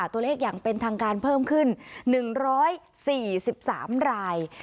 ตัวเลขอย่างเป็นทางการเพิ่มขึ้นหนึ่งร้อยสี่สิบสามราย